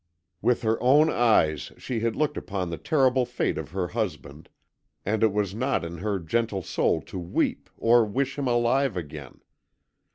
With her own eyes she had looked upon the terrible fate of her husband, and it was not in her gentle soul to weep or wish him alive again.